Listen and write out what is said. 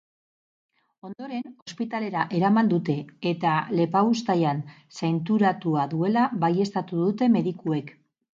Ondoren, ospitalera eraman dute, eta lepauztaian zainturatua duela baieztatu dute medikuek.